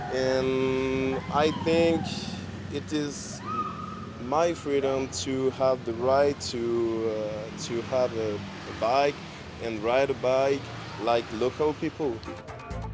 dan saya pikir kebebasan saya untuk memiliki kemampuan untuk menerbangkan mobil dan menerbangkan mobil seperti orang orang lokal